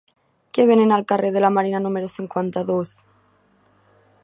Què venen al carrer de la Marina número cinquanta-dos?